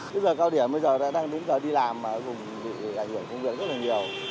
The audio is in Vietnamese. bây giờ cao điểm bây giờ đã đang đúng giờ đi làm ở vùng bị ảnh hưởng công viện rất là nhiều